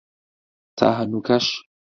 تا هەنووکەش